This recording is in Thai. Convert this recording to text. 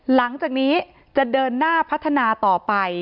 หลังจากนี้จะเดินหน้าพัฒนาต่อไป